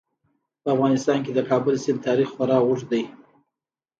په افغانستان کې د کابل سیند تاریخ خورا اوږد دی.